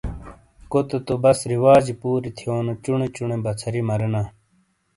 کوتے تو بس رواجی پوری تھینو چونے چونے بچھری مرینا۔